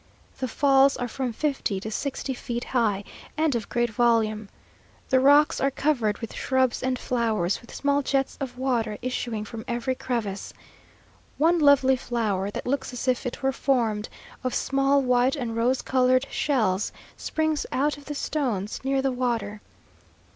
The falls are from fifty to sixty feet high, and of great volume. The rocks are covered with shrubs and flowers, with small jets of water issuing from every crevice. One lovely flower, that looks as if it were formed of small white and rose coloured shells, springs out of the stones near the water.